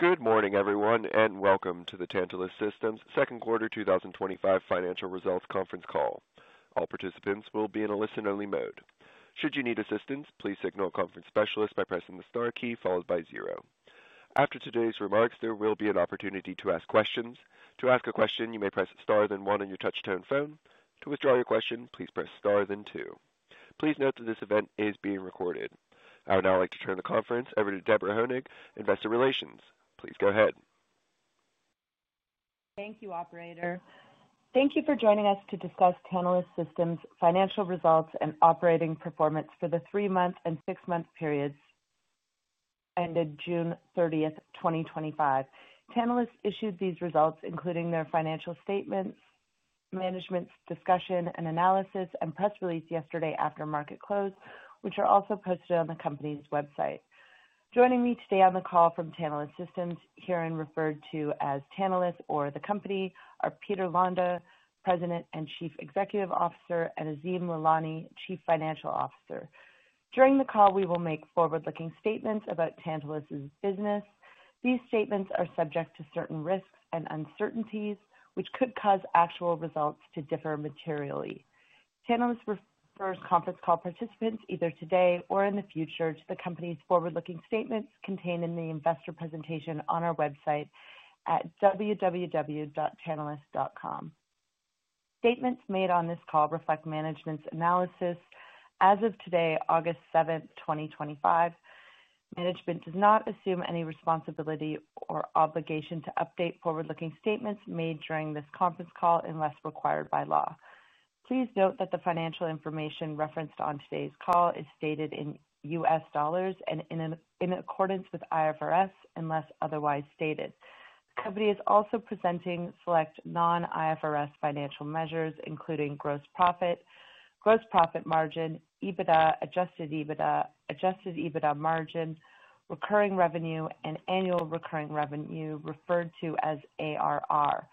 Good morning, everyone, and welcome to the Tantalus Systems' Second Quarter 2025 Financial Results Conference Call. All participants will be in a listen-only mode. Should you need assistance, please signal a conference specialist by pressing the star key followed by zero. After today's remarks, there will be an opportunity to ask questions. To ask a question, you may press star then one on your touch-tone phone. To withdraw your question, please press star then two. Please note that this event is being recorded. I would now like to turn the conference over to Deborah Honig, Investor Relations. Please go ahead. Thank you, Operator. Thank you for joining us to discuss Tantalus Systems' financial results and operating performance for the three-month and six-month periods ended June 30th, 2025. Tantalus issued these results, including their financial statements, management's discussion and analysis, and press release yesterday after market close, which are also posted on the company's website. Joining me today on the call from Tantalus Systems, herein referred to as Tantalus or the Company, are Peter Londa, President and Chief Executive Officer, and Azim Lalani, Chief Financial Officer. During the call, we will make forward-looking statements about Tantalus' business. These statements are subject to certain risks and uncertainties, which could cause actual results to differ materially. Tantalus refers conference call participants either today or in the future to the company's forward-looking statements contained in the investor presentation on our website at www.tantalus.com. Statements made on this call reflect management's analysis. As of today, August 7th, 2025, management does not assume any responsibility or obligation to update forward-looking statements made during this conference call unless required by law. Please note that the financial information referenced on today's call is stated in U.S. dollars and in accordance with IFRS unless otherwise stated. The company is also presenting select non-IFRS financial measures, including gross profit, gross profit margin, EBITDA, adjusted EBITDA, adjusted EBITDA margin, recurring revenue, and annual recurring revenue, referred to as ARR.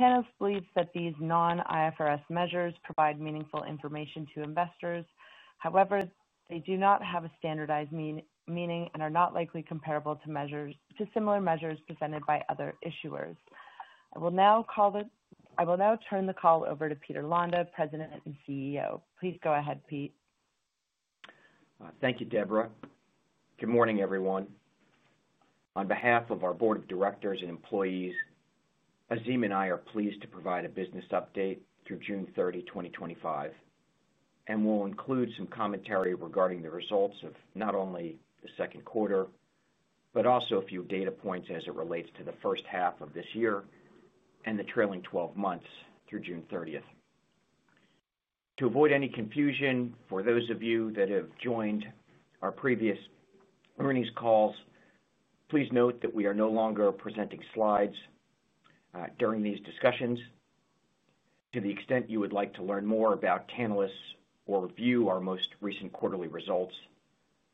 Tantalus believes that these non-IFRS measures provide meaningful information to investors. However, they do not have a standardized meaning and are not likely comparable to similar measures presented by other issuers. I will now turn the call over to Peter Londa, President and CEO. Please go ahead, Pete. Thank you, Deborah. Good morning, everyone. On behalf of our Board of Directors and employees, Azim and I are pleased to provide a business update through June 30, 2025, and we'll include some commentary regarding the results of not only the second quarter, but also a few data points as it relates to the first half of this year and the trailing 12 months through June 30th. To avoid any confusion for those of you that have joined our previous earnings calls, please note that we are no longer presenting slides during these discussions. To the extent you would like to learn more about Tantalus or view our most recent quarterly results,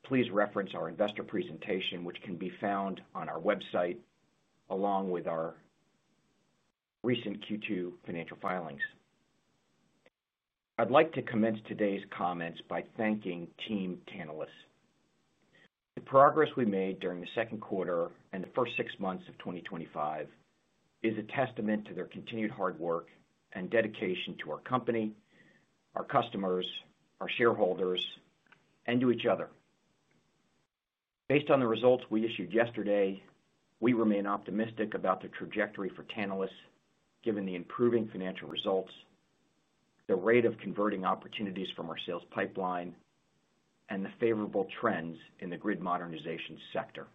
please reference our investor presentation, which can be found on our website along with our recent Q2 Financial Filings. I'd like to commence today's comments by thanking Team Tantalus. The progress we made during the second quarter and the first six months of 2025 is a testament to their continued hard work and dedication to our company, our customers, our shareholders, and to each other. Based on the results we issued yesterday, we remain optimistic about the trajectory for Tantalus given the improving financial results, the rate of converting opportunities from our sales pipeline, and the favorable trends in the grid modernization sector.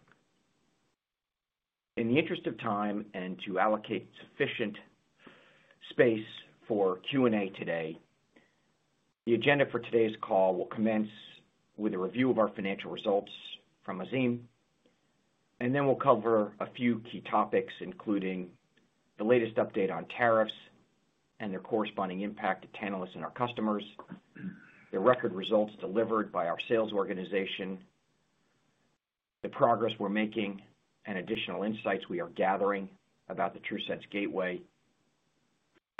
In the interest of time and to allocate sufficient space for Q&A today, the agenda for today's call will commence with a review of our financial results from Azim, and then we'll cover a few key topics, including the latest update on tariffs and their corresponding impact to Tantalus and our customers, the record results delivered by our sales organization, the progress we're making, and additional insights we are gathering about the TruSense Gateway.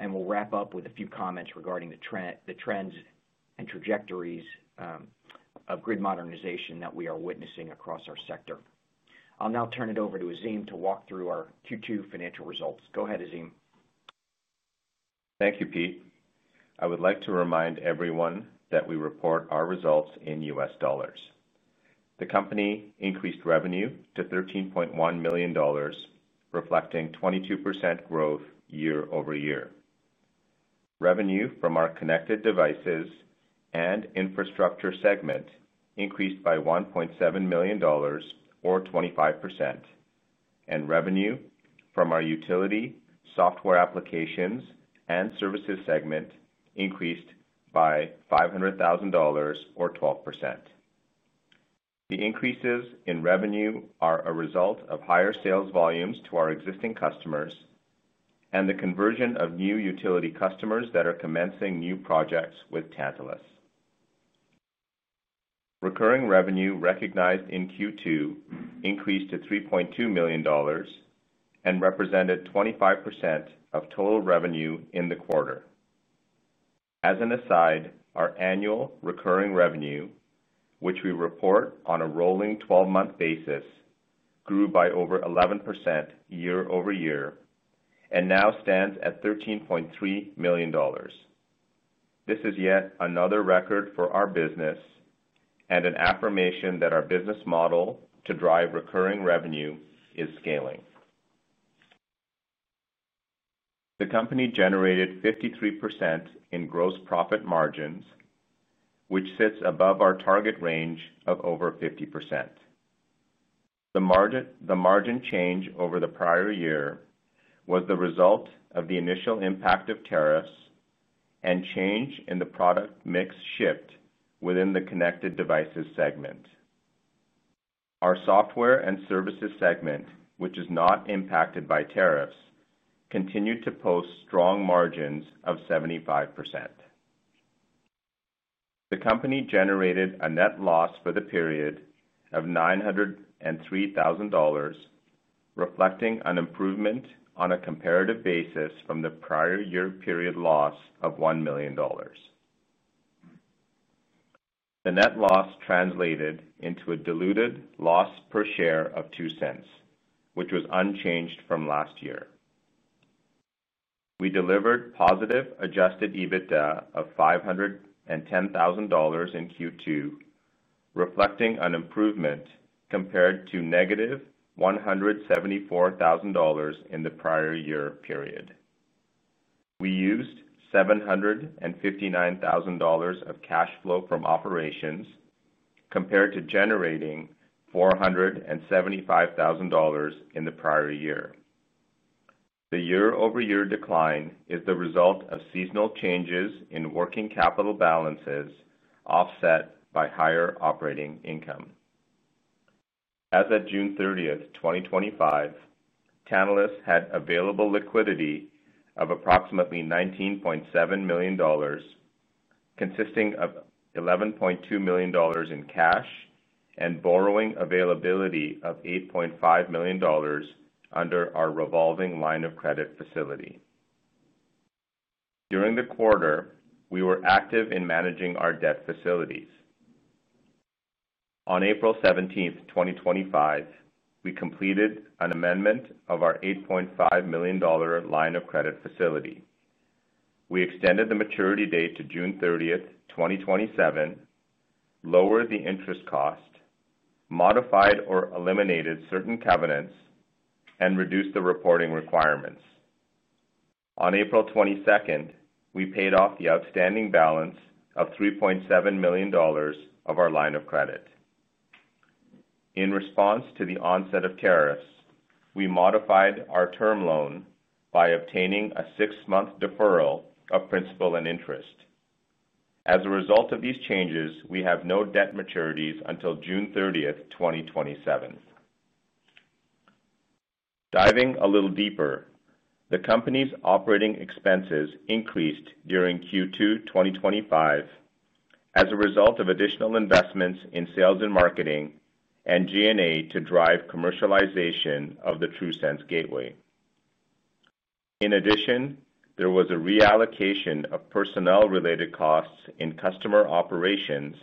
We'll wrap up with a few comments regarding the trends and trajectories of grid modernization that we are witnessing across our sector. I'll now turn it over to Azim to walk through our Q2 financial results. Go ahead, Azim. Thank you, Pete. I would like to remind everyone that we report our results in U.S. dollars. The company increased revenue to $13.1 million, reflecting 22% growth year-over-year. Revenue from our connected devices and infrastructure segment increased by $1.7 million, or 25%, and revenue from our utility, software applications, and services segment increased by $500,000, or 12%. The increases in revenue are a result of higher sales volumes to our existing customers and the conversion of new utility customers that are commencing new projects with Tantalus. Recurring revenue recognized in Q2 increased to $3.2 million and represented 25% of total revenue in the quarter. As an aside, our annual recurring revenue (ARR), which we report on a rolling 12-month basis, grew by over 11% year-over-year and now stands at $13.3 million. This is yet another record for our business and an affirmation that our business model to drive recurring revenue is scaling. The company generated 53% in gross profit margins, which sits above our target range of over 50%. The margin change over the prior year was the result of the initial impact of tariffs and change in the product mix shipped within the connected devices segment. Our software and services segment, which is not impacted by tariffs, continued to post strong margins of 75%. The company generated a net loss for the period of $903,000, reflecting an improvement on a comparative basis from the prior year period loss of $1 million. The net loss translated into a diluted loss per share of $0.02, which was unchanged from last year. We delivered positive adjusted EBITDA of $510,000 in Q2, reflecting an improvement compared to negative $174,000 in the prior year period. We used $759,000 of cash flow from operations compared to generating $475,000 in the prior year. The year-over-year decline is the result of seasonal changes in working capital balances offset by higher operating income. As of June 30th, 2025, Tantalus had available liquidity of approximately $19.7 million, consisting of $11.2 million in cash and borrowing availability of $8.5 million under our revolving line of credit facility. During the quarter, we were active in managing our debt facilities. On April 17, 2025, we completed an amendment of our $8.5 million line of credit facility. We extended the maturity date to June 30th, 2027, lowered the interest cost, modified or eliminated certain covenants, and reduced the reporting requirements. On April 22nd, we paid off the outstanding balance of $3.7 million of our line of credit. In response to the onset of tariffs, we modified our term loan by obtaining a six-month deferral of principal and interest. As a result of these changes, we have no debt maturities until June 30th, 2027. Diving a little deeper, the company's operating expenses increased during Q2 2025 as a result of additional investments in sales and marketing and G&A to drive commercialization of the TruSense Gateway. In addition, there was a reallocation of personnel-related costs in customer operations,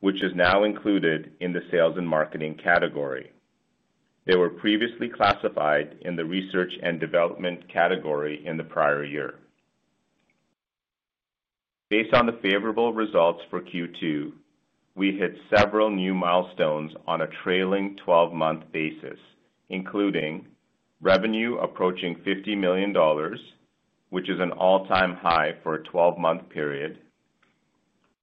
which is now included in the sales and marketing category. They were previously classified in the research and development category in the prior year. Based on the favorable results for Q2, we hit several new milestones on a trailing 12-month basis, including revenue approaching $50 million, which is an all-time high for a 12-month period.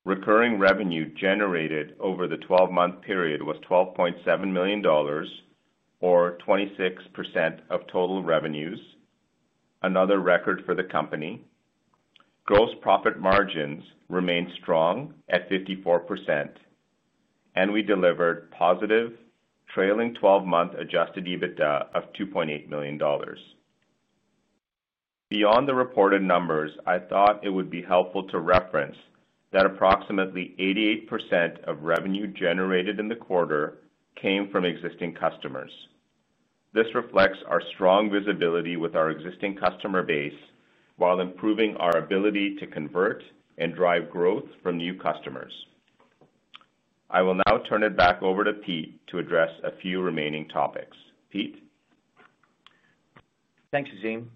Recurring revenue generated over the 12-month period was $12.7 million, or 26% of total revenues, another record for the company. Gross profit margins remained strong at 54%, and we delivered positive trailing 12-month adjusted EBITDA of $2.8 million. Beyond the reported numbers, I thought it would be helpful to reference that approximately 88% of revenue generated in the quarter came from existing customers. This reflects our strong visibility with our existing customer base while improving our ability to convert and drive growth from new customers. I will now turn it back over to Pete to address a few remaining topics. Pete. Thanks, Azim.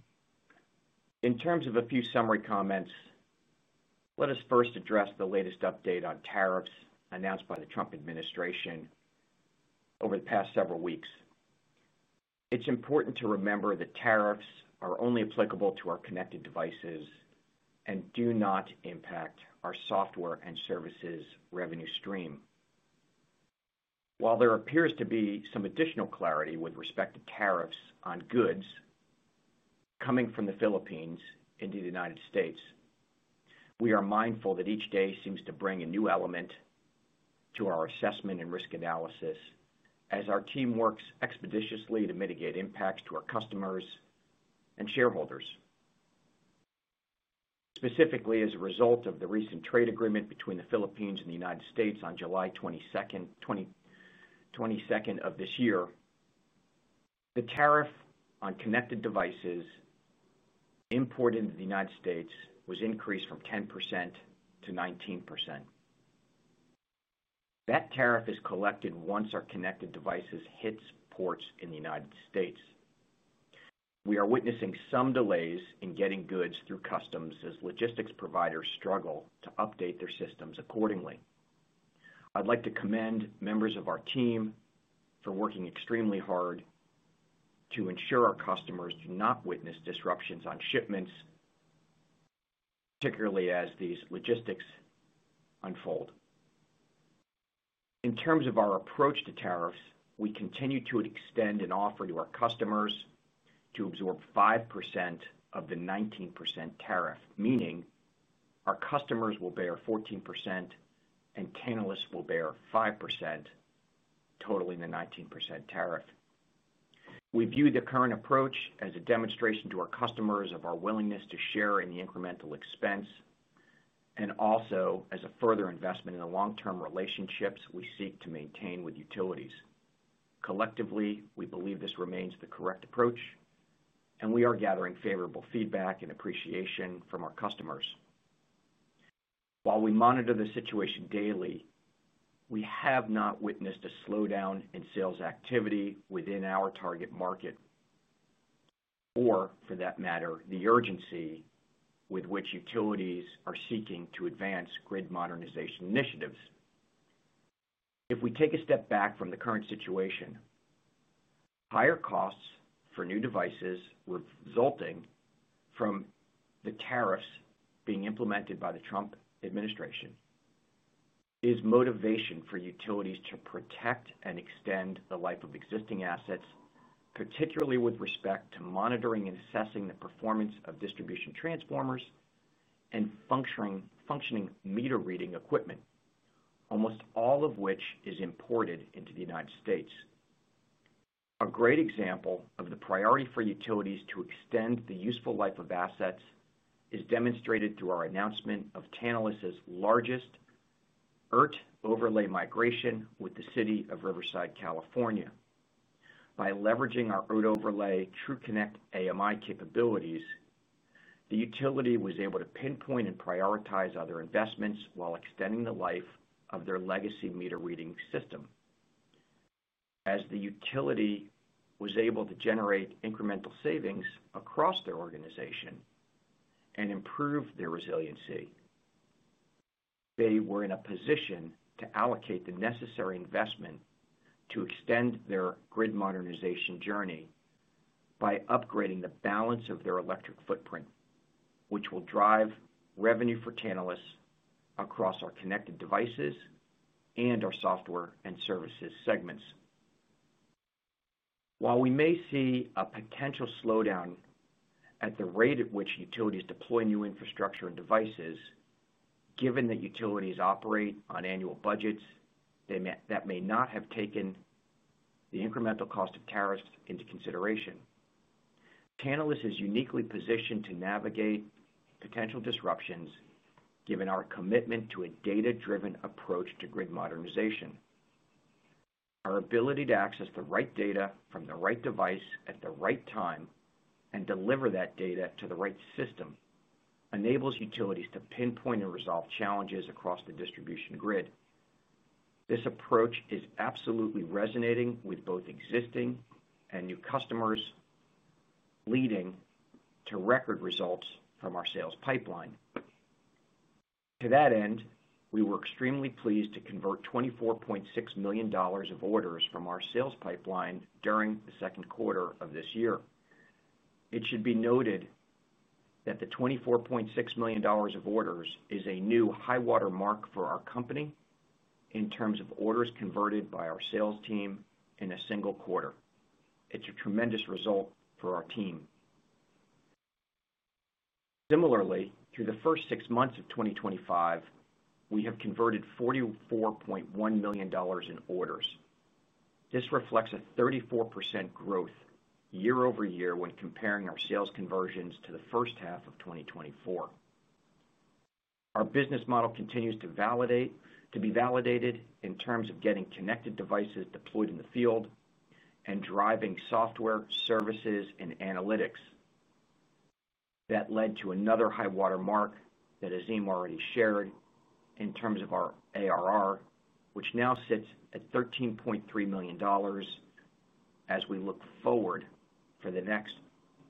In terms of a few summary comments, let us first address the latest update on tariffs announced by the Trump administration over the past several weeks. It's important to remember that tariffs are only applicable to our connected devices and do not impact our software and services revenue stream. While there appears to be some additional clarity with respect to tariffs on goods coming from the Philippines into the United States, we are mindful that each day seems to bring a new element to our assessment and risk analysis as our team works expeditiously to mitigate impacts to our customers and shareholders. Specifically, as a result of the recent trade agreement between the Philippines and the United States on July 22nd, 2023, the tariff on connected devices imported into the United States was increased from 10%-19%. That tariff is collected once our connected devices hit ports in the United States. We are witnessing some delays in getting goods through customs as logistics providers struggle to update their systems accordingly. I'd like to commend members of our team for working extremely hard to ensure our customers do not witness disruptions on shipments, particularly as these logistics unfold. In terms of our approach to tariffs, we continue to extend an offer to our customers to absorb 5% of the 19% tariff, meaning our customers will bear 14% and Tantalus will bear 5%, totaling the 19% tariff. We view the current approach as a demonstration to our customers of our willingness to share in the incremental expense and also as a further investment in the long-term relationships we seek to maintain with utilities. Collectively, we believe this remains the correct approach, and we are gathering favorable feedback and appreciation from our customers. While we monitor the situation daily, we have not witnessed a slowdown in sales activity within our target market, or for that matter, the urgency with which utilities are seeking to advance grid modernization initiatives. If we take a step back from the current situation, higher costs for new devices resulting from the tariffs being implemented by the Trump administration is motivation for utilities to protect and extend the life of existing assets, particularly with respect to monitoring and assessing the performance of distribution transformers and functioning meter reading equipment, almost all of which is imported into the United States. A great example of the priority for utilities to extend the useful life of assets is demonstrated through our announcement of Tantalus' largest ERT overlay migration with the city of Riverside, California. By leveraging our ERT overlay TruConnect AMI capabilities, the utility was able to pinpoint and prioritize other investments while extending the life of their legacy meter reading system. As the utility was able to generate incremental savings across their organization and improve their resiliency, they were in a position to allocate the necessary investment to extend their grid modernization journey by upgrading the balance of their electric footprint, which will drive revenue for Tantalus across our connected devices and our software and services segments. While we may see a potential slowdown at the rate at which utilities deploy new infrastructure and devices, given that utilities operate on annual budgets, that may not have taken the incremental cost of tariffs into consideration. Tantalus is uniquely positioned to navigate potential disruptions given our commitment to a data-driven approach to grid modernization. Our ability to access the right data from the right device at the right time and deliver that data to the right system enables utilities to pinpoint and resolve challenges across the distribution grid. This approach is absolutely resonating with both existing and new customers, leading to record results from our sales pipeline. To that end, we were extremely pleased to convert $24.6 million of orders from our sales pipeline during the second quarter of this year. It should be noted that the $24.6 million of orders is a new high-water mark for our company in terms of orders converted by our sales team in a single quarter. It's a tremendous result for our team. Similarly, through the first six months of 2025, we have converted $44.1 million in orders. This reflects a 34% growth year-over-year when comparing our sales conversions to the first half of 2024. Our business model continues to be validated in terms of getting connected devices deployed in the field and driving software services and analytics. That led to another high-water mark that Azim already shared in terms of our ARR, which now sits at $13.3 million as we look forward for the next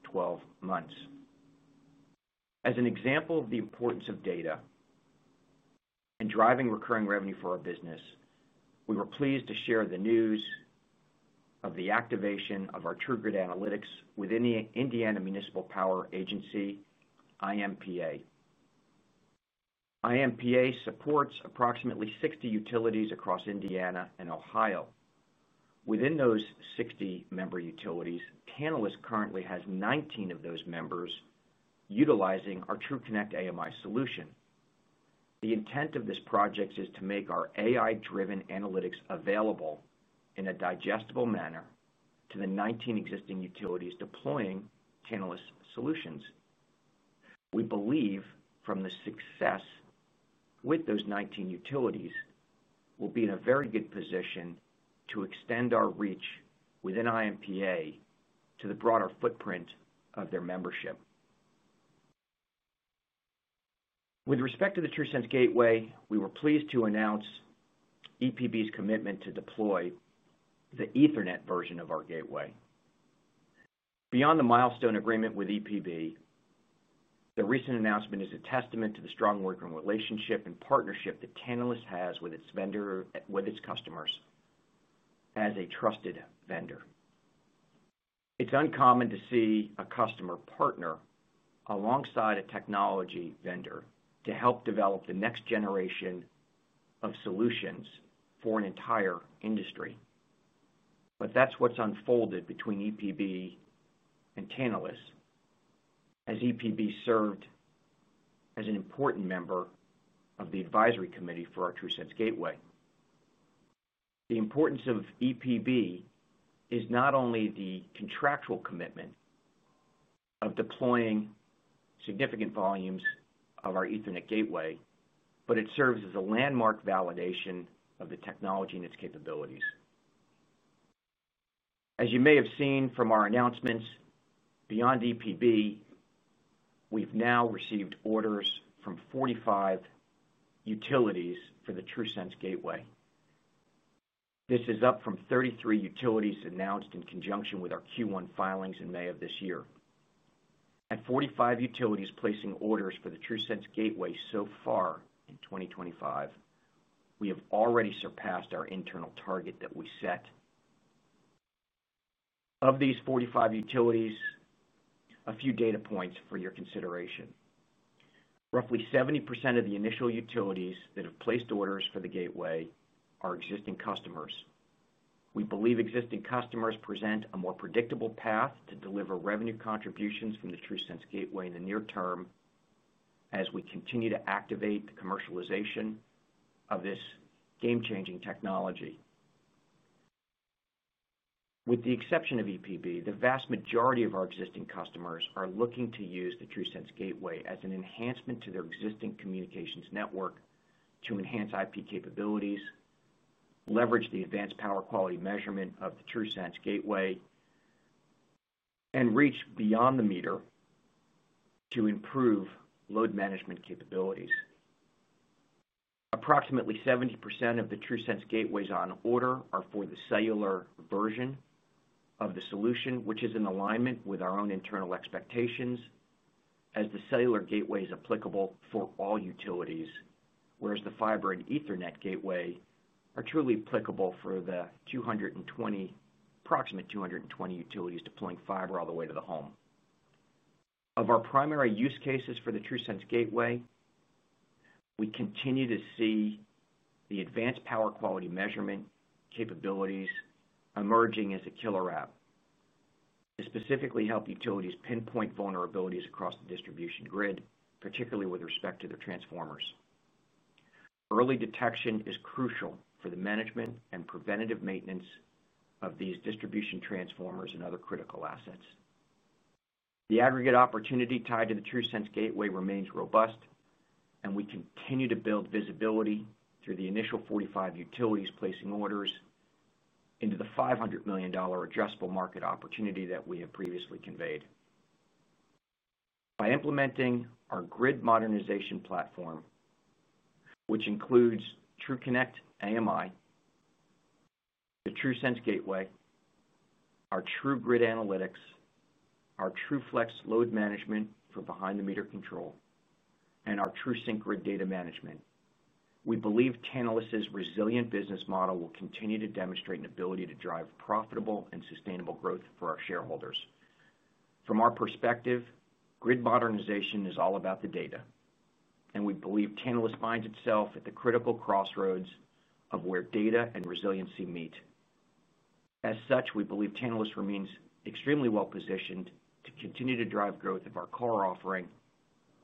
12 months. As an example of the importance of data and driving recurring revenue for our business, we were pleased to share the news of the activation of our triggered analytics within the Indiana Municipal Power Agency, IMPA. IMPA supports approximately 60 utilities across Indiana and Ohio. Within those 60 member utilities, Tantalus currently has 19 of those members utilizing our TruConnect AMI solution. The intent of this project is to make our AI-driven analytics available in a digestible manner to the 19 existing utilities deploying Tantalus solutions. We believe from the success with those 19 utilities, we'll be in a very good position to extend our reach within IMPA to the broader footprint of their membership. With respect to the TruSense Gateway, we were pleased to announce EPB's commitment to deploy the Ethernet version of our gateway. Beyond the milestone agreement with EPB, the recent announcement is a testament to the strong working relationship and partnership that Tantalus has with its customers as a trusted vendor. It's uncommon to see a customer partner alongside a technology vendor to help develop the next generation of solutions for an entire industry. That's what's unfolded between EPB and Tantalus as EPB served as an important member of the advisory committee for our TruSense Gateway. The importance of EPB is not only the contractual commitment of deploying significant volumes of our Ethernet gateway, but it serves as a landmark validation of the technology and its capabilities. As you may have seen from our announcements, beyond EPB, we've now received orders from 45 utilities for the TruSense Gateway. This is up from 33 utilities announced in conjunction with our Q1 filings in May of this year. At 45 utilities placing orders for the TruSense Gateway so far in 2025, we have already surpassed our internal target that we set. Of these 45 utilities, a few data points for your consideration. Roughly 70% of the initial utilities that have placed orders for the gateway are existing customers. We believe existing customers present a more predictable path to deliver revenue contributions from the TruSense Gateway in the near term as we continue to activate the commercialization of this game-changing technology. With the exception of EPB, the vast majority of our existing customers are looking to use the TruSense Gateway as an enhancement to their existing communications network to enhance IP capabilities, leverage the advanced power quality measurement of the TruSense Gateway, and reach beyond the meter to improve load management capabilities. Approximately 70% of the TruSense Gateways on order are for the cellular version of the solution, which is in alignment with our own internal expectations as the cellular gateway is applicable for all utilities, whereas the fiber and Ethernet gateway are truly applicable for the approximate 220 utilities deploying fiber all the way to the home. Of our primary use cases for the TruSense Gateway, we continue to see the advanced power quality measurement capabilities emerging as a killer app to specifically help utilities pinpoint vulnerabilities across the distribution grid, particularly with respect to their transformers. Early detection is crucial for the management and preventative maintenance of these distribution transformers and other critical assets. The aggregate opportunity tied to the TruSense Gateway remains robust, and we continue to build visibility through the initial 45 utilities placing orders into the $500 million adjustable market opportunity that we have previously conveyed. By implementing our grid modernization platform, which includes TruConnect AMI, the TruSense Gateway, our TruGrid analytics, our TruFlex load management for behind-the-meter control, and our TruSync grid data management, we believe Tantalus' resilient business model will continue to demonstrate an ability to drive profitable and sustainable growth for our shareholders. From our perspective, grid modernization is all about the data, and we believe Tantalus finds itself at the critical crossroads of where data and resiliency meet. As such, we believe Tantalus remains extremely well-positioned to continue to drive growth of our core offering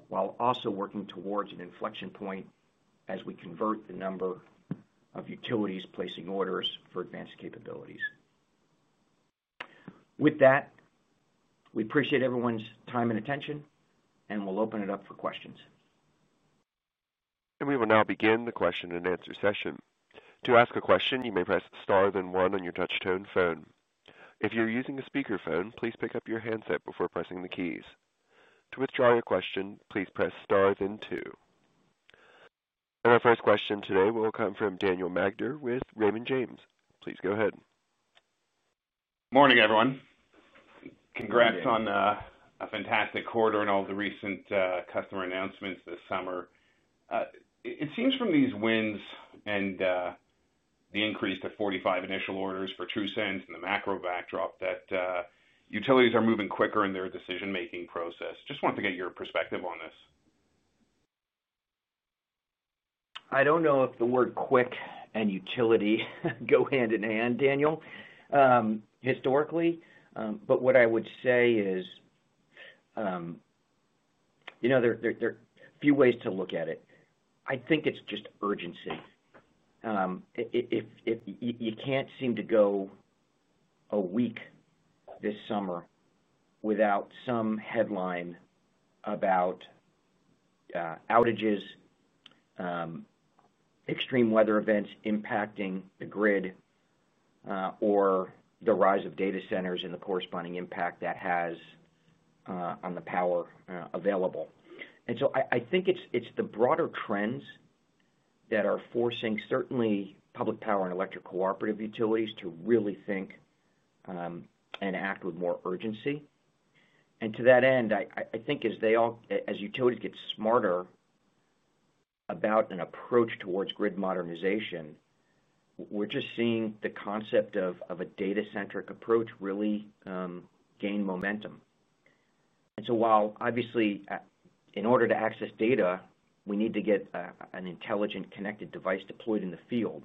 while also working towards an inflection point as we convert the number of utilities placing orders for advanced capabilities. With that, we appreciate everyone's time and attention, and we'll open it up for questions. We will now begin the question and answer session. To ask a question, you may press star then one on your touch-tone phone. If you're using a speaker phone, please pick up your handset before pressing the keys. To withdraw your question, please press star then two. Our first question today will come from Daniel Magder with Raymond James. Please go ahead. Morning, everyone. Congrats on a fantastic quarter and all the recent customer announcements this summer. It seems from these wins and the increase to 45 initial orders for TruSense and the macro backdrop that utilities are moving quicker in their decision-making process. Just wanted to get your perspective on this. I don't know if the word quick and utility go hand-in-hand, Daniel, historically, but what I would say is, there are a few ways to look at it. I think it's just urgency. You can't seem to go a week this summer without some headline about outages, extreme weather events impacting the grid, or the rise of data centers and the corresponding impact that has on the power available. I think it's the broader trends that are forcing certainly public power and electric cooperative utilities to really think and act with more urgency. To that end, I think as they all, as utilities get smarter about an approach towards grid modernization, we're just seeing the concept of a data-centric approach really gain momentum. Obviously, in order to access data, we need to get an intelligent connected device deployed in the field.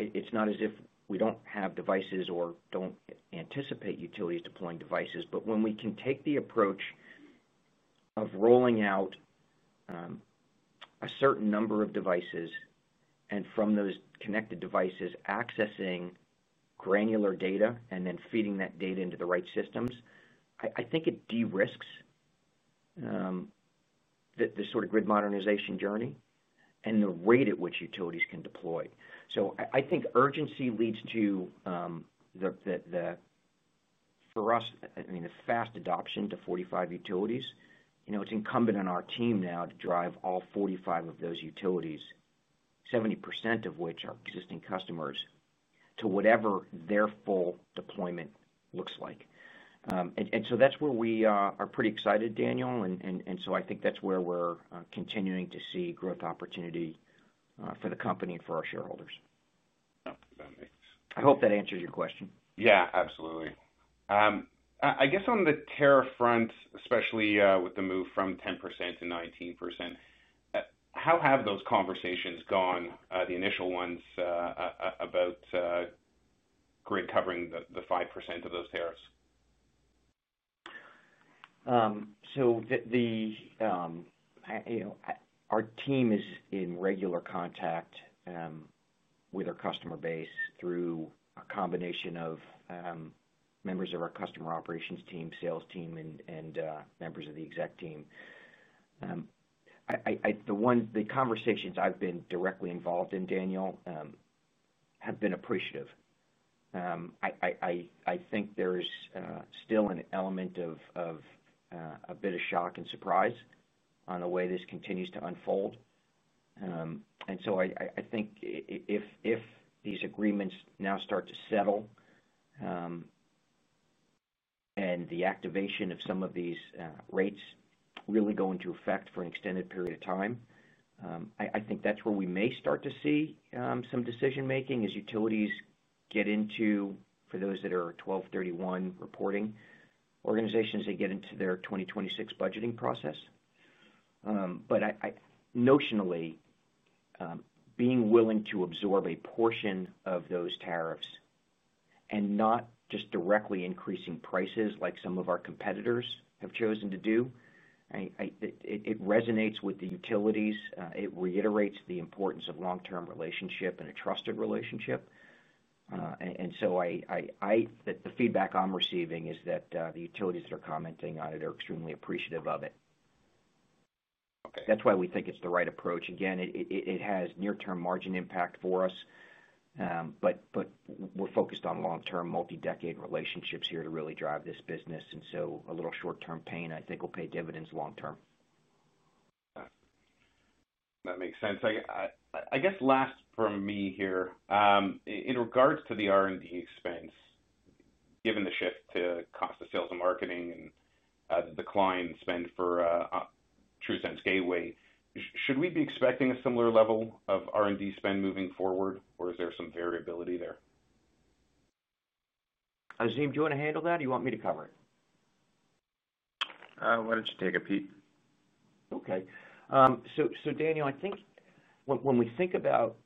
It's not as if we don't have devices or don't anticipate utilities deploying devices, but when we can take the approach of rolling out a certain number of devices and from those connected devices accessing granular data and then feeding that data into the right systems, I think it de-risks the sort of grid modernization journey and the rate at which utilities can deploy. I think urgency leads to, for us, I mean, the fast adoption to 45 utilities. It's incumbent on our team now to drive all 45 of those utilities, 70% of which are existing customers, to whatever their full deployment looks like. That's where we are pretty excited, Daniel. I think that's where we're continuing to see growth opportunity for the company and for our shareholders. Yeah, that makes. I hope that answers your question. Yeah, absolutely. I guess on the tariff front, especially with the move from 10%-19%, how have those conversations gone, the initial ones, about grid covering the 5% of those tariffs? Our team is in regular contact with our customer base through a combination of members of our customer operations team, sales team, and members of the executive team. The conversations I've been directly involved in, Daniel, have been appreciative. I think there is still an element of a bit of shock and surprise on the way this continues to unfold. I think if these agreements now start to settle, and the activation of some of these rates really go into effect for an extended period of time, that's where we may start to see some decision-making as utilities get into, for those that are 12/31 reporting organizations, they get into their 2026 budgeting process. Notionally, being willing to absorb a portion of those tariffs and not just directly increasing prices like some of our competitors have chosen to do, it resonates with the utilities. It reiterates the importance of a long-term relationship and a trusted relationship. The feedback I'm receiving is that the utilities that are commenting on it are extremely appreciative of it. Okay. That's why we think it's the right approach. It has near-term margin impact for us, but we're focused on long-term, multi-decade relationships here to really drive this business. A little short-term pain, I think, will pay dividends long term. That makes sense. I guess last from me here, in regards to the R&D expense, given the shift to cost of sales and marketing and the decline in spend for TruSense Gateway, should we be expecting a similar level of R&D spend moving forward, or is there some variability there? Azim, do you want to handle that, or do you want me to cover it? Why don't you take it, Pete? Okay. Daniel, I think when we think about,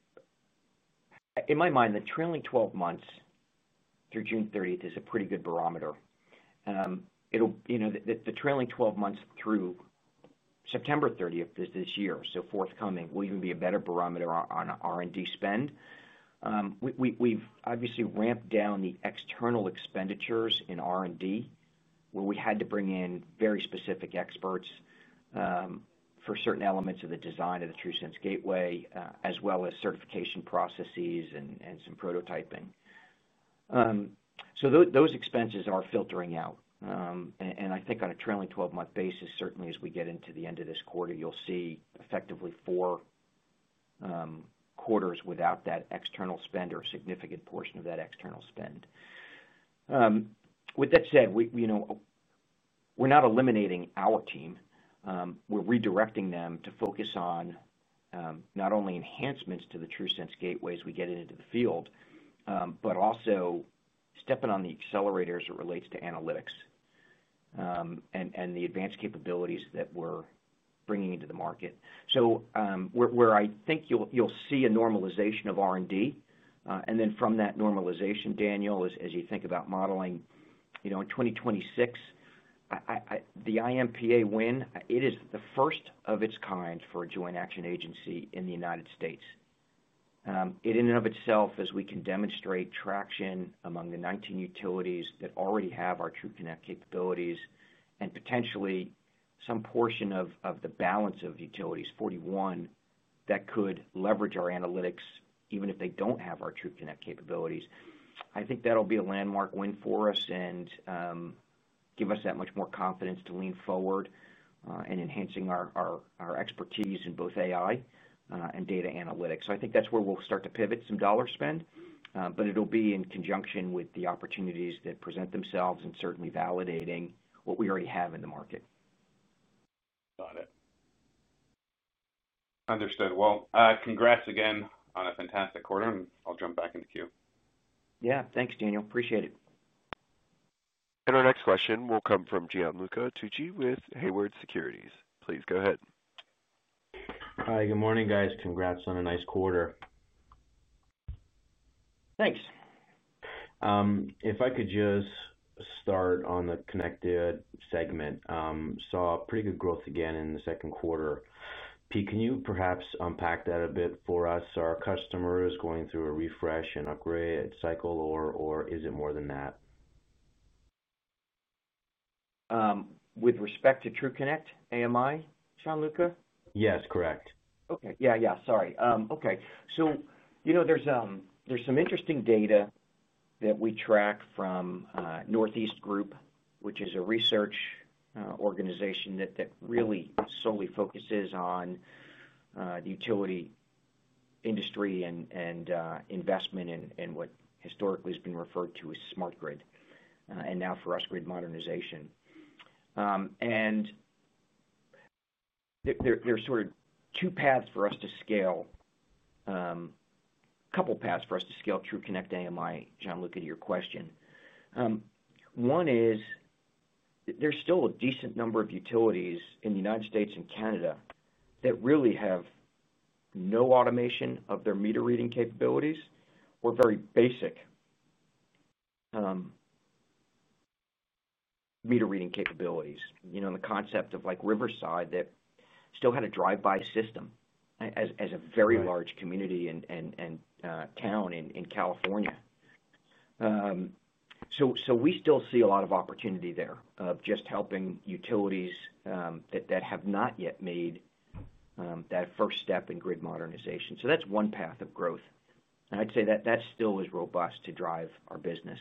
in my mind, the trailing 12 months through June 30th is a pretty good barometer. The trailing 12 months through September 30th of this year, so forthcoming, will even be a better barometer on R&D spend. We've obviously ramped down the external expenditures in R&D where we had to bring in very specific experts for certain elements of the design of the TruSense Gateway, as well as certification processes and some prototyping. Those expenses are filtering out. I think on a trailing 12-month basis, certainly as we get into the end of this quarter, you'll see effectively four quarters without that external spend or a significant portion of that external spend. With that said, we're not eliminating our team. We're redirecting them to focus on not only enhancements to the TruSense Gateway as we get it into the field, but also stepping on the accelerators as it relates to analytics and the advanced capabilities that we're bringing into the market. I think you'll see a normalization of R&D. From that normalization, Daniel, as you think about modeling, in 2026, the IMPA win is the first of its kind for a joint action agency in the United States. It in and of itself, as we can demonstrate traction among the 19 utilities that already have our TruConnect capabilities and potentially some portion of the balance of utilities, 41, that could leverage our analytics even if they don't have our TruConnect capabilities. I think that'll be a landmark win for us and give us that much more confidence to lean forward in enhancing our expertise in both AI and data analytics. I think that's where we'll start to pivot some dollar spend, but it'll be in conjunction with the opportunities that present themselves and certainly validating what we already have in the market. Got it. Understood. Congrats again on a fantastic quarter, and I'll jump back into queue. Yeah, thanks, Daniel. Appreciate it. Our next question will come from Gianluca Tucci with Haywood Securities. Please go ahead. Hi. Good morning, guys. Congrats on a nice quarter. Thanks. If I could just start on the connected segment, I saw pretty good growth again in the second quarter. Pete, can you perhaps unpack that a bit for us? Are customers going through a refresh and upgrade cycle, or is it more than that? With respect to TruConnect AMI, Gianluca? Yes, correct. Okay. Sorry. There's some interesting data that we track from Northeast Group, which is a research organization that really solely focuses on the utility industry and investment in what historically has been referred to as smart grid and now for us, grid modernization. There are sort of two paths for us to scale, a couple of paths for us to scale TruConnect AMI, Gianluca, to your question. One is there's still a decent number of utilities in the United States and Canada that really have no automation of their meter reading capabilities or very basic meter reading capabilities. In the concept of like Riverside that still had a drive-by system as a very large community and town in California, we still see a lot of opportunity there of just helping utilities that have not yet made that first step in grid modernization. That's one path of growth, and I'd say that that still is robust to drive our business.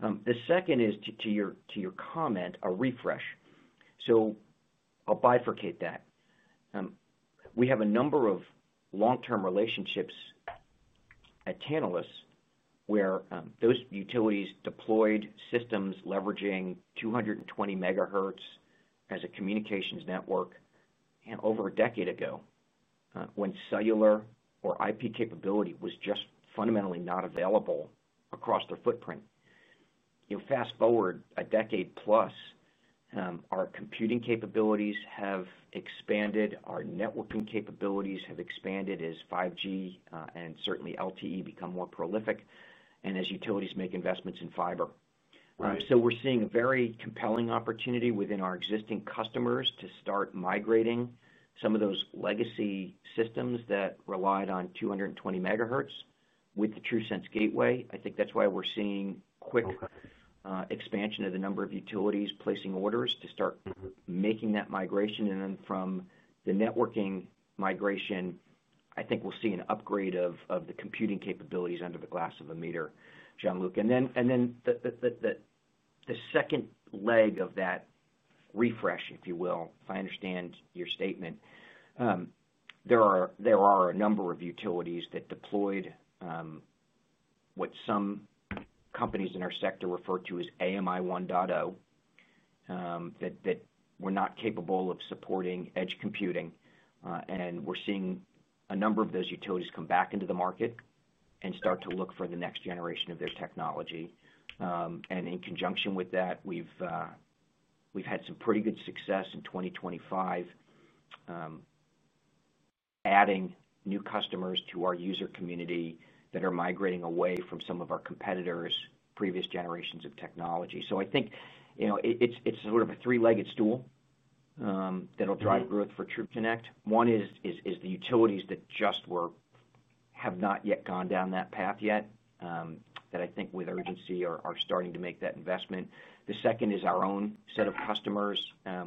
The second is to your comment, a refresh. I'll bifurcate that. We have a number of long-term relationships at Tantalus where those utilities deployed systems leveraging 220 megahertz as a communications network over a decade ago, when cellular or IP capability was just fundamentally not available across their footprint. Fast forward a decade plus, our computing capabilities have expanded, our networking capabilities have expanded as 5G and certainly LTE become more prolific, and as utilities make investments in fiber. We're seeing a very compelling opportunity within our existing customers to start migrating some of those legacy systems that relied on 220 megahertz with the TruSense Gateway. I think that's why we're seeing quick expansion of the number of utilities placing orders to start making that migration. From the networking migration, I think we'll see an upgrade of the computing capabilities under the glass of a meter, Gianluca. The second leg of that refresh, if you will, if I understand your statement, there are a number of utilities that deployed what some companies in our sector refer to as AMI 1.0 that were not capable of supporting edge computing. We're seeing a number of those utilities come back into the market and start to look for the next generation of their technology. In conjunction with that, we've had some pretty good success in 2025 adding new customers to our user community that are migrating away from some of our competitors' previous generations of technology. I think it's sort of a three-legged stool that'll drive growth for TruConnect. One is the utilities that just have not yet gone down that path yet, that I think with urgency are starting to make that investment. The second is our own set of customers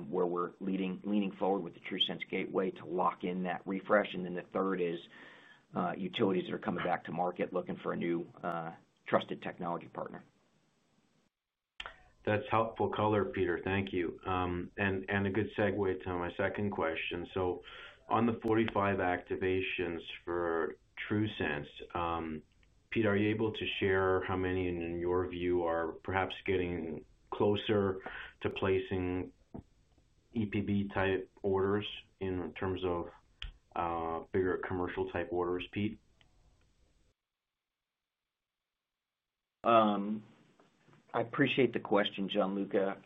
where we're leaning forward with the TruSense Gateway to lock in that refresh. The third is utilities that are coming back to market looking for a new trusted technology partner. That's helpful color, Peter. Thank you. A good segue to my second question. On the 45 activations for TruSense, Pete, are you able to share how many, in your view, are perhaps getting closer to placing EPB-type orders in terms of bigger commercial-type orders, Pete? I appreciate the question, Gianluca.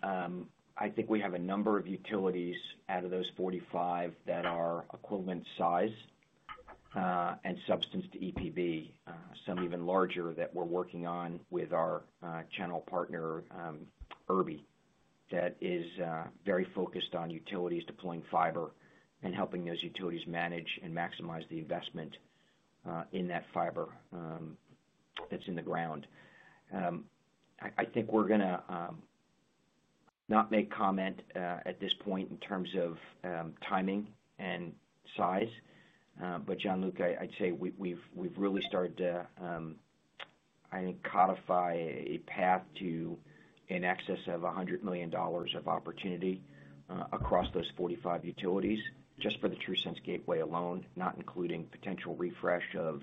I think we have a number of utilities out of those 45 that are equivalent size and substance to EPB, some even larger that we're working on with our channel partner, Erby, that is very focused on utilities deploying fiber and helping those utilities manage and maximize the investment in that fiber that's in the ground. I think we're going to not make comment at this point in terms of timing and size. Gianluca, I'd say we've really started to, I think, codify a path to in excess of $100 million of opportunity across those 45 utilities just for the TruSense Gateway alone, not including potential refresh of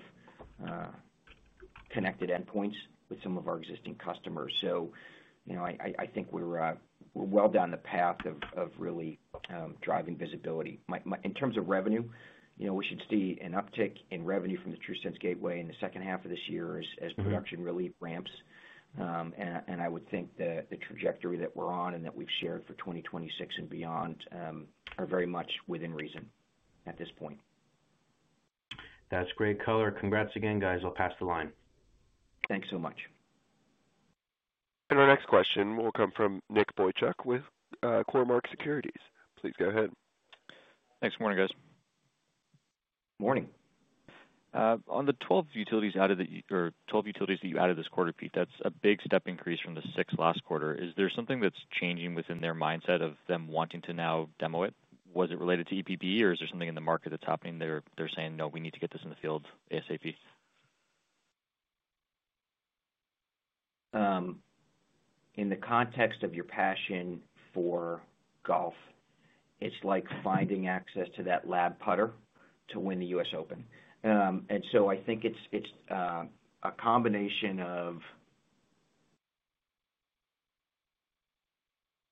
connected endpoints with some of our existing customers. I think we're well down the path of really driving visibility. In terms of revenue, we should see an uptick in revenue from the TruSense Gateway in the second half of this year as production really ramps. I would think the trajectory that we're on and that we've shared for 2026 and beyond are very much within reason at this point. That's great color. Congrats again, guys. I'll pass the line. Thanks so much. Our next question will come from Nick Boychuk with Cormark Securities. Please go ahead. Thanks. Morning, guys. Morning. On the 12 utilities, out of the 12 utilities that you added this quarter, Pete, that's a big step increase from the six last quarter. Is there something that's changing within their mindset of them wanting to now demo it? Was it related to EPB, or is there something in the market that's happening that they're saying, "No, we need to get this in the field ASAP"? In the context of your passion for golf, it's like finding access to that lab putter to win the U.S. Open. I think it's a combination of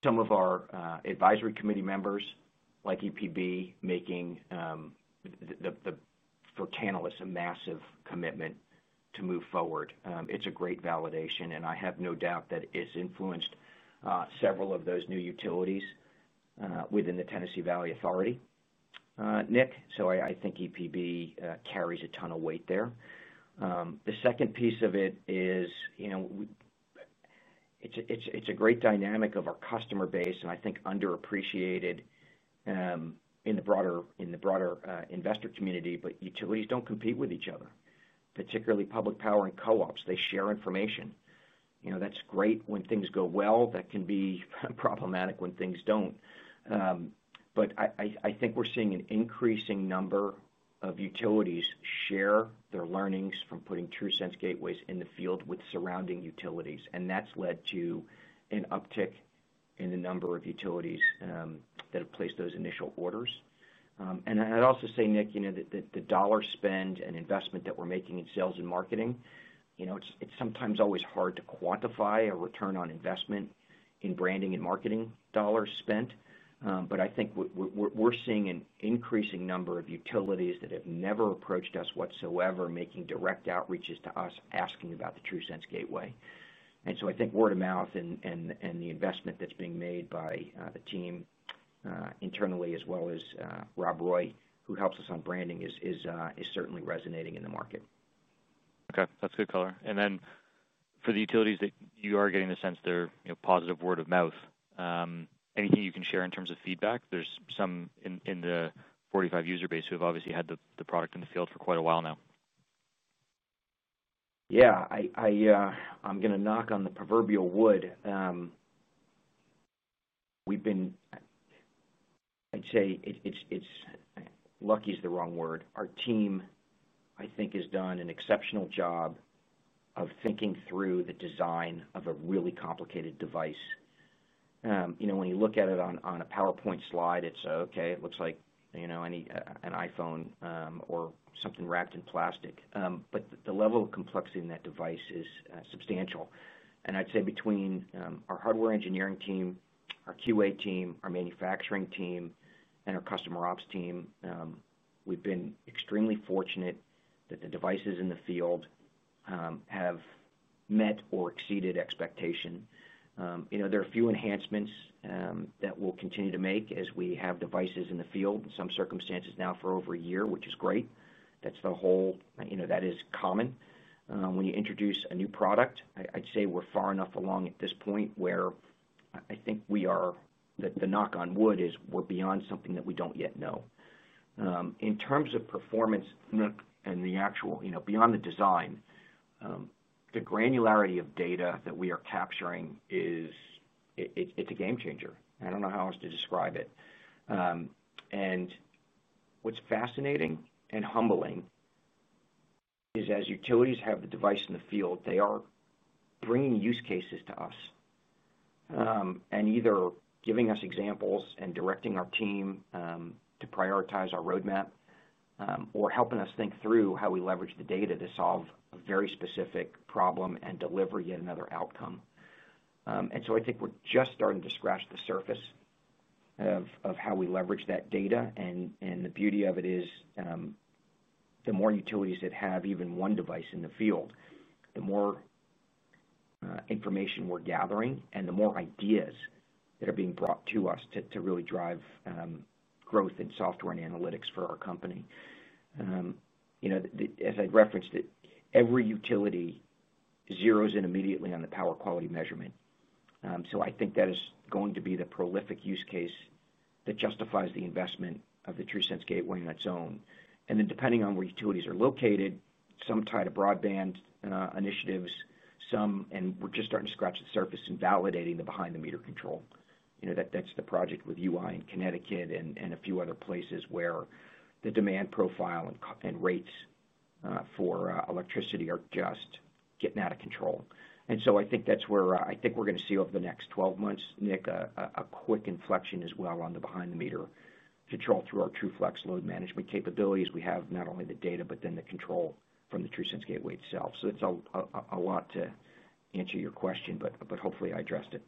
some of our advisory committee members like EPB making for Tantalus a massive commitment to move forward. It's a great validation, and I have no doubt that it's influenced several of those new utilities within the Tennessee Valley Authority, Nick. I think EPB carries a ton of weight there. The second piece of it is, you know, it's a great dynamic of our customer base, and I think underappreciated in the broader investor community. Utilities don't compete with each other, particularly public power and co-ops. They share information. That's great when things go well. That can be problematic when things don't. I think we're seeing an increasing number of utilities share their learnings from putting TruSense Gateways in the field with surrounding utilities. That's led to an uptick in the number of utilities that have placed those initial orders. I'd also say, Nick, the dollar spend and investment that we're making in sales and marketing, you know, it's sometimes always hard to quantify a return on investment in branding and marketing dollars spent. I think we're seeing an increasing number of utilities that have never approached us whatsoever, making direct outreaches to us asking about the TruSense Gateway. I think word of mouth and the investment that's being made by the team internally, as well as Rob Roy, who helps us on branding, is certainly resonating in the market. Okay. That's a good color. For the utilities that you are getting the sense there, positive word of mouth, anything you can share in terms of feedback? There are some in the 45 user base who have obviously had the product in the field for quite a while now. Yeah. I'm going to knock on the proverbial wood. We've been, I'd say lucky is the wrong word. Our team, I think, has done an exceptional job of thinking through the design of a really complicated device. You know, when you look at it on a PowerPoint slide, it's okay, it looks like, you know, an iPhone or something wrapped in plastic. The level of complexity in that device is substantial. I'd say between our hardware engineering team, our QA team, our manufacturing team, and our customer ops team, we've been extremely fortunate that the devices in the field have met or exceeded expectation. There are a few enhancements that we'll continue to make as we have devices in the field in some circumstances now for over a year, which is great. That is common. When you introduce a new product, I'd say we're far enough along at this point where I think we are that the knock on wood is we're beyond something that we don't yet know. In terms of performance, Nick, and the actual, you know, beyond the design, the granularity of data that we are capturing is, it's a game changer. I don't know how else to describe it. What's fascinating and humbling is as utilities have the device in the field, they are bringing use cases to us and either giving us examples and directing our team to prioritize our roadmap or helping us think through how we leverage the data to solve a very specific problem and deliver yet another outcome. I think we're just starting to scratch the surface of how we leverage that data. The beauty of it is the more utilities that have even one device in the field, the more information we're gathering and the more ideas that are being brought to us to really drive growth in software and analytics for our company. As I referenced it, every utility zeros in immediately on the power quality measurement. I think that is going to be the prolific use case that justifies the investment of the TruSense Gateway on its own. Depending on where utilities are located, some tied to broadband initiatives, and we're just starting to scratch the surface and validating the behind-the-meter control. That's the project with UI in Connecticut and a few other places where the demand profile and rates for electricity are just getting out of control. I think that's where I think we're going to see over the next 12 months, Nick, a quick inflection as well on the behind-the-meter control through our TruFlex load management capabilities. We have not only the data, but then the control from the TruSense Gateway itself. That's a lot to answer your question, but hopefully, I addressed it.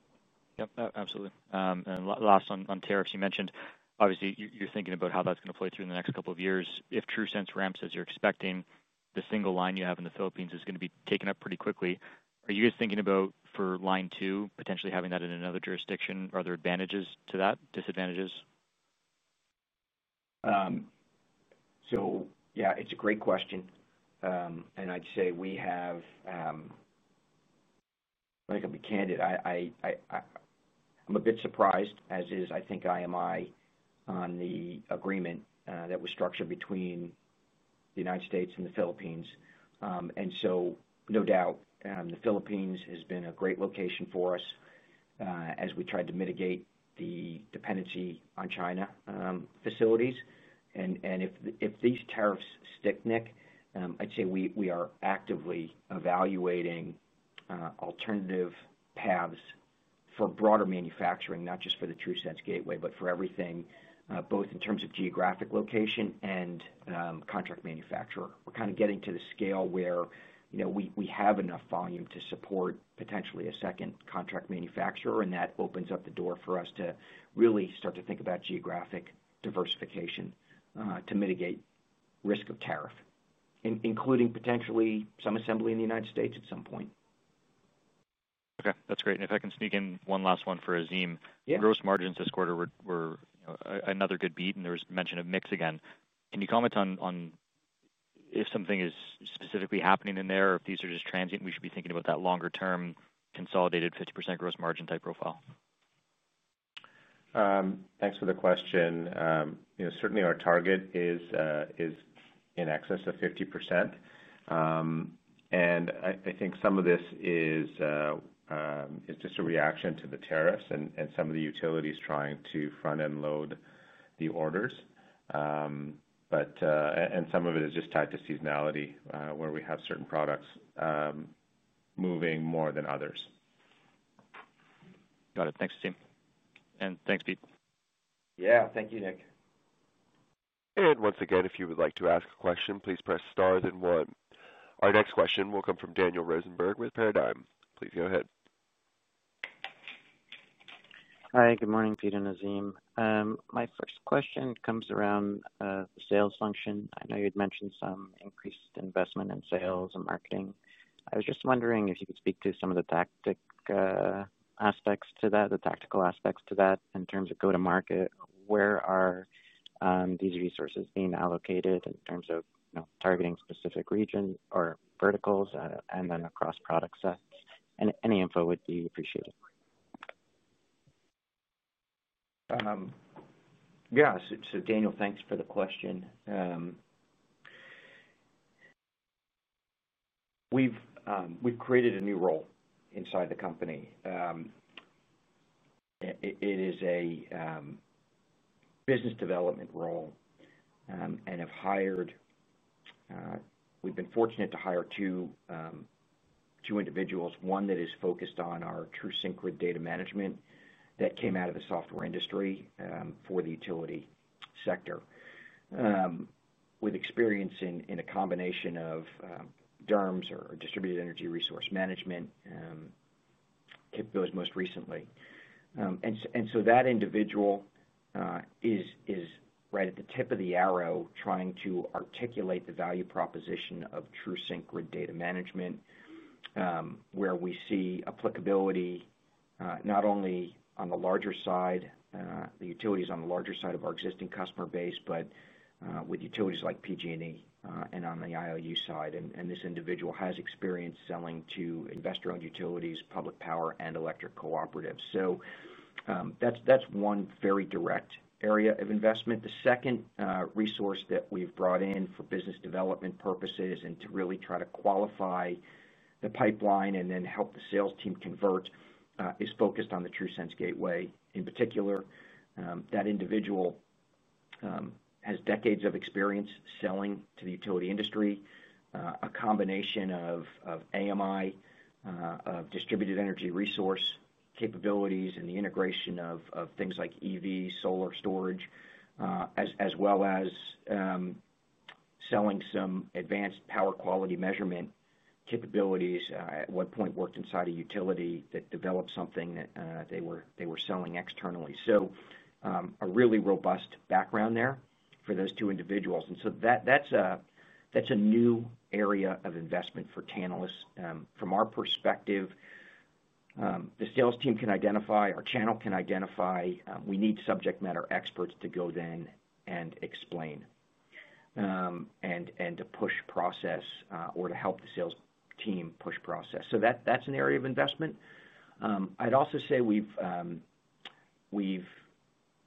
Absolutely. Last on tariffs, you mentioned, obviously, you're thinking about how that's going to play through in the next couple of years. If TruSense ramps as you're expecting, the single line you have in the Philippines is going to be taken up pretty quickly. Are you guys thinking about for line two, potentially having that in another jurisdiction? Are there advantages to that, disadvantages? Yeah, it's a great question. I'd say we have, I think I'll be candid, I'm a bit surprised, as is, I think, IMI on the agreement that was structured between the United States and the Philippines. No doubt, the Philippines has been a great location for us as we tried to mitigate the dependency on China facilities. If these tariffs stick, Nick, I'd say we are actively evaluating alternative paths for broader manufacturing, not just for the TruSense Gateway, but for everything, both in terms of geographic location and contract manufacturer. We're kind of getting to the scale where we have enough volume to support potentially a second contract manufacturer, and that opens up the door for us to really start to think about geographic diversification to mitigate risk of tariff, including potentially some assembly in the United States at some point. Okay. That's great. If I can sneak in one last one for Azim. Yeah. Gross margins this quarter were another good beat, and there was mention of mix again. Can you comment on if something is specifically happening in there or if these are just transient, we should be thinking about that longer-term consolidated 50% gross margin type profile? Thanks for the question. Certainly, our target is in excess of 50%. I think some of this is just a reaction to the tariffs and some of the utilities trying to front-end load the orders. Some of it is just tied to seasonality where we have certain products moving more than others. Got it. Thanks, Azim. Thank you, Pete. Yeah, thank you, Nick. If you would like to ask a question, please press star then one. Our next question will come from Daniel Rosenberg with Paradigm. Please go ahead. Hi. Good morning, Pete and Azim. My first question comes around the sales function. I know you had mentioned some increased investment in sales and marketing. I was just wondering if you could speak to some of the tactical aspects to that in terms of go-to-market. Where are these resources being allocated in terms of targeting specific regions or verticals, and then across product sets? Any info would be appreciated. Yeah. Daniel, thanks for the question. We've created a new role inside the company. It is a business development role and have hired, we've been fortunate to hire two individuals, one that is focused on our TruSync grid data management that came out of the software industry for the utility sector with experience in a combination of DERMS or distributed energy resource management, TIPCO's most recently. That individual is right at the tip of the arrow trying to articulate the value proposition of TruSync grid data management where we see applicability not only on the larger side, the utilities on the larger side of our existing customer base, but with utilities like PG&E and on the IOU side. This individual has experience selling to investor-owned utilities, public power, and electric cooperatives. That's one very direct area of investment. The second resource that we've brought in for business development purposes and to really try to qualify the pipeline and then help the sales team convert is focused on the TruSense Gateway in particular. That individual has decades of experience selling to the utility industry, a combination of AMI, of distributed energy resource capabilities, and the integration of things like EV, solar storage, as well as selling some advanced power quality measurement capabilities. At one point worked inside a utility that developed something that they were selling externally. A really robust background there for those two individuals. That's a new area of investment for Tantalus. From our perspective, the sales team can identify, our channel can identify, we need subject matter experts to go then and explain and to push process or to help the sales team push process. That's an area of investment. I'd also say we've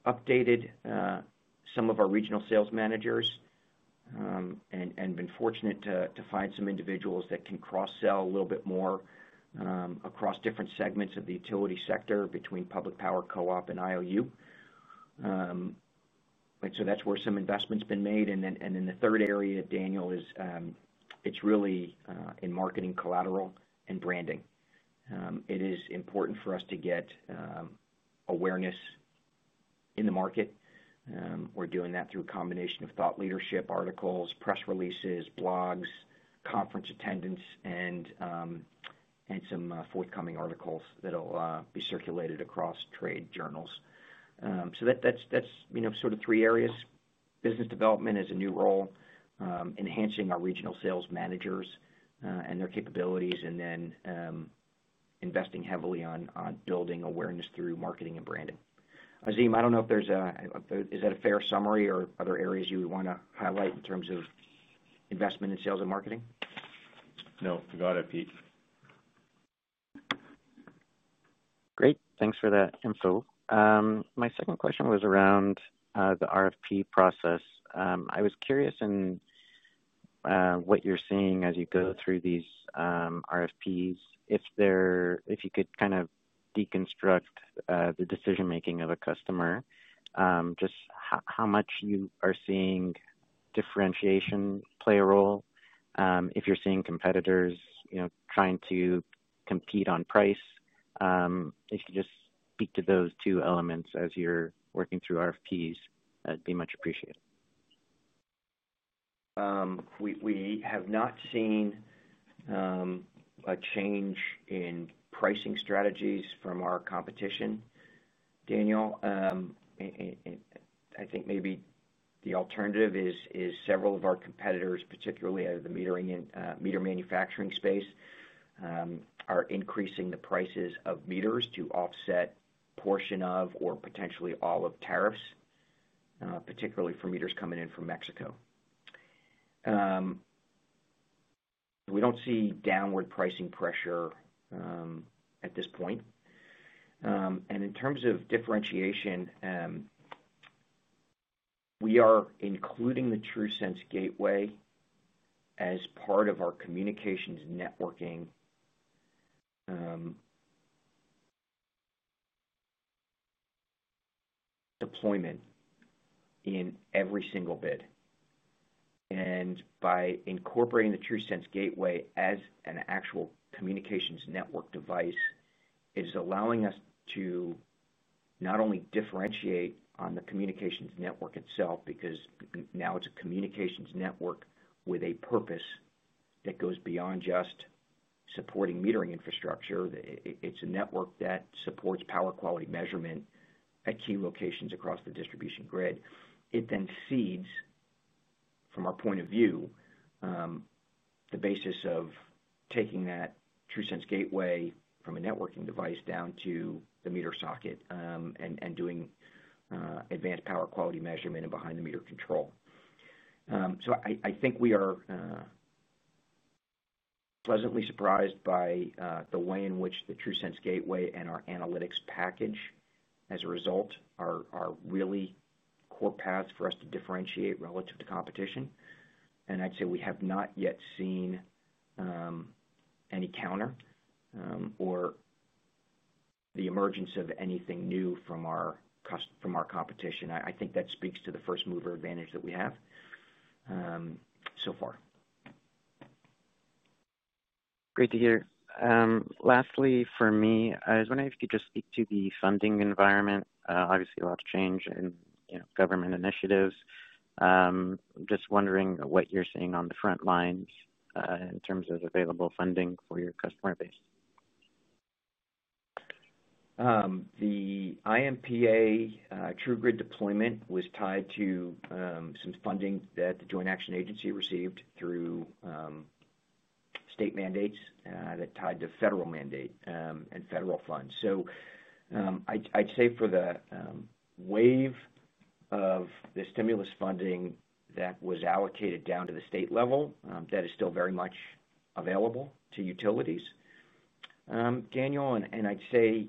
updated some of our regional sales managers and been fortunate to find some individuals that can cross-sell a little bit more across different segments of the utility sector between public power, co-op, and IOU. That's where some investment's been made. The third area, Daniel, is really in marketing collateral and branding. It is important for us to get awareness in the market. We're doing that through a combination of thought leadership articles, press releases, blogs, conference attendance, and some forthcoming articles that'll be circulated across trade journals. That's sort of three areas. Business development is a new role, enhancing our regional sales managers and their capabilities, and then investing heavily on building awareness through marketing and branding. Azim, I don't know if there's a is that a fair summary or other areas you would want to highlight in terms of investment in sales and marketing? No, you got it, Pete. Great. Thanks for that info. My second question was around the RFP process. I was curious in what you're seeing as you go through these RFPs, if you could kind of deconstruct the decision-making of a customer, just how much you are seeing differentiation play a role, if you're seeing competitors trying to compete on price. If you could just speak to those two elements as you're working through RFPs, that'd be much appreciated. We have not seen a change in pricing strategies from our competition, Daniel. I think maybe the alternative is several of our competitors, particularly out of the metering and meter manufacturing space, are increasing the prices of meters to offset a portion of or potentially all of tariffs, particularly for meters coming in from Mexico. We don't see downward pricing pressure at this point. In terms of differentiation, we are including the TruSense Gateway as part of our communications networking deployment in every single bid. By incorporating the TruSense Gateway as an actual communications network device, it is allowing us to not only differentiate on the communications network itself because now it's a communications network with a purpose that goes beyond just supporting metering infrastructure. It's a network that supports power quality measurement at key locations across the distribution grid. It then seeds, from our point of view, the basis of taking that TruSense Gateway from a networking device down to the meter socket and doing advanced power quality measurement and behind-the-meter control. I think we are pleasantly surprised by the way in which the TruSense Gateway and our analytics package as a result are really core paths for us to differentiate relative to competition. I'd say we have not yet seen any counter or the emergence of anything new from our competition. I think that speaks to the first mover advantage that we have so far. Great to hear. Lastly, for me, I was wondering if you could just speak to the funding environment. Obviously, a lot of change in government initiatives. I'm just wondering what you're seeing on the front lines in terms of available funding for your customer base. The IMPA TruGrid deployment was tied to some funding that the Joint Action Agency received through state mandates that tied to federal mandate and federal funds. I'd say for the wave of the stimulus funding that was allocated down to the state level, that is still very much available to utilities, Daniel. I'd say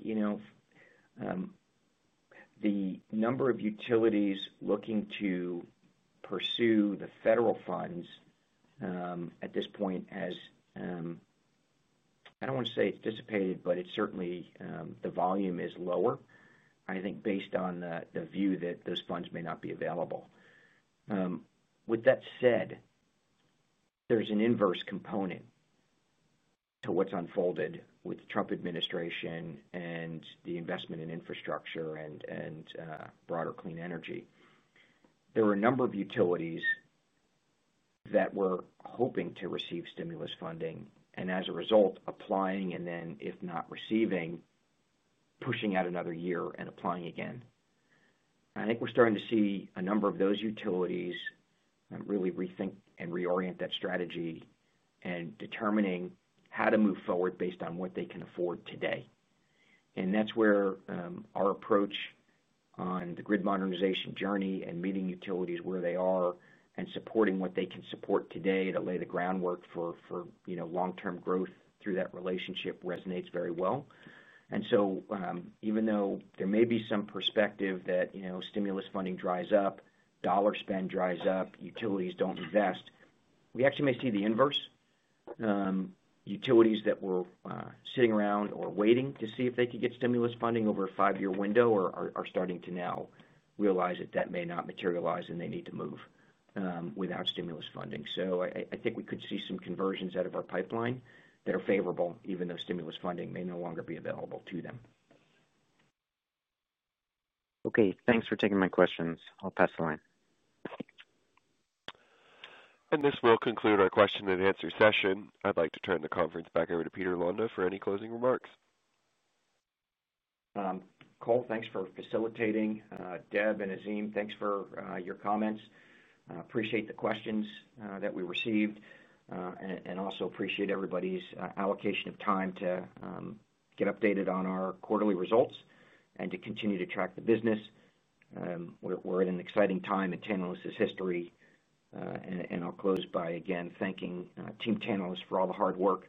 the number of utilities looking to pursue the federal funds at this point, as I don't want to say it's dissipated, but it's certainly the volume is lower. I think based on the view that those funds may not be available. With that said, there's an inverse component to what's unfolded with the Trump administration and the investment in infrastructure and broader clean energy. There are a number of utilities that were hoping to receive stimulus funding and as a result, applying and then, if not receiving, pushing out another year and applying again. I think we're starting to see a number of those utilities really rethink and reorient that strategy and determining how to move forward based on what they can afford today. That's where our approach on the grid modernization journey and meeting utilities where they are and supporting what they can support today to lay the groundwork for long-term growth through that relationship resonates very well. Even though there may be some perspective that stimulus funding dries up, dollar spend dries up, utilities don't invest, we actually may see the inverse. Utilities that were sitting around or waiting to see if they could get stimulus funding over a five-year window are starting to now realize that that may not materialize and they need to move without stimulus funding. I think we could see some conversions out of our pipeline that are favorable, even though stimulus funding may no longer be available to them. Okay, thanks for taking my questions. I'll pass the line. This will conclude our question and answer session. I'd like to turn the conference back over to Peter Londa for any closing remarks. Cole, thanks for facilitating. Deb and Azim, thanks for your comments. Appreciate the questions that we received, and also appreciate everybody's allocation of time to get updated on our quarterly results and to continue to track the business. We're in an exciting time in Tantalus's history. I'll close by, again, thanking Team Tantalus for all the hard work.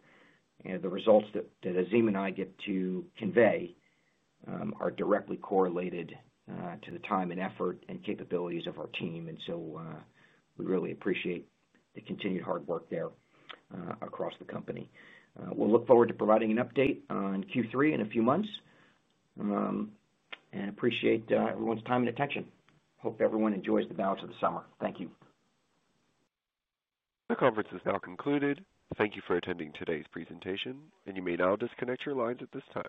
The results that Azim and I get to convey are directly correlated to the time and effort and capabilities of our team. We really appreciate the continued hard work there across the company. We'll look forward to providing an update on Q3 in a few months. I appreciate everyone's time and attention. Hope everyone enjoys the balance of the summer. Thank you. The conference is now concluded. Thank you for attending today's presentation, and you may now disconnect your lines at this time.